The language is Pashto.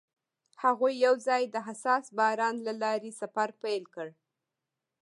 هغوی یوځای د حساس باران له لارې سفر پیل کړ.